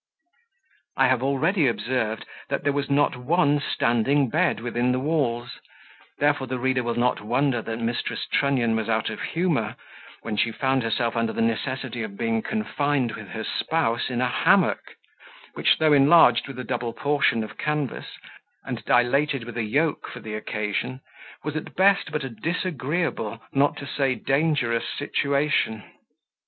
I have already observed, that there was not one standing bed within the walls; therefore the reader will not wonder that Mrs. Trunnion was out of humour, when she found herself under the necessity of being confined with her spouse in a hammock, which, though enlarged with a double portion of canvas, and dilated with a yoke for the occasion, was at best but a disagreeable, not to say dangerous situation.